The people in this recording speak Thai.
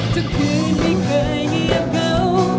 ทุกคืนไม่เคยเงียบเหงา